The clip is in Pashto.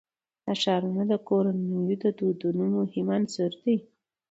دا ښارونه د کورنیو د دودونو مهم عنصر دی.